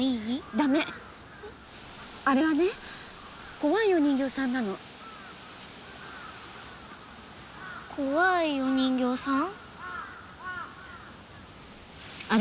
ダメあれはね怖いお人形さんなの怖いお人形さん？